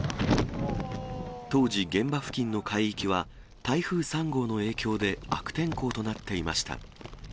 当時現場付近の海域は台風３号の影響で悪天候となっていました。